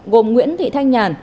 gồm nguyễn thị thanh nhàn